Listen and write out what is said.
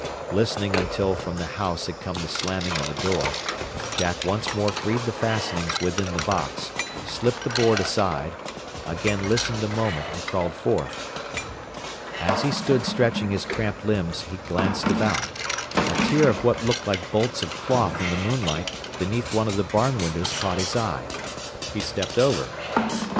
Listening until from the house had come the slamming of a door, Jack once more freed the fastenings within the box, slipped the board aside, again listened a moment, and crawled forth. As he stood stretching his cramped limbs, he glanced about. A tier of what looked like bolts of cloth in the moonlight beneath one of the barn windows caught his eye. He stepped over.